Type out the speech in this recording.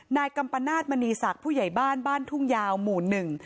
นายกัมปนาศมณีศักดิ์ผู้ใหญ่บ้านบ้านทุ่งยาวหมู่หนึ่ง